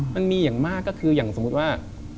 มันมีอย่างมากก็คืออย่างสมมุติว่า